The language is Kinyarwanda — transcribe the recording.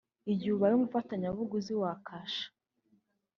Igihe ubaye umufatabuguzi wa Kasha